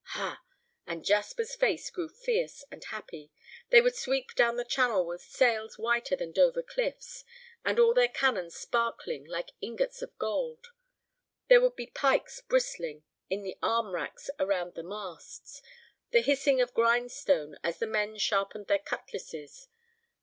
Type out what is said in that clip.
Ha!—and Jasper's face grew fierce and happy—they would sweep down the Channel with sails whiter than Dover cliffs, and all their cannon sparkling like ingots of gold! There would be pikes bristling in the arm racks around the masts; the hissing of the grindstone as the men sharpened their cutlasses.